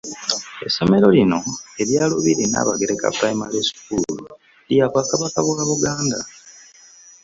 Essomero lino erya Lubiri Nabagereka Primary School lya Bwakabaka bwa Buganda